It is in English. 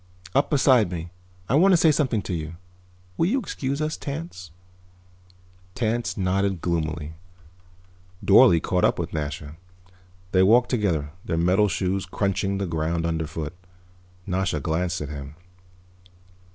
"Up beside me. I want to say something to you. Will you excuse us, Tance?" Tance nodded gloomily. Dorle caught up with Nasha. They walked together, their metal shoes crunching the ground underfoot. Nasha glanced at him.